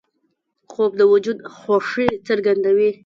خوب د وجود خوښي څرګندوي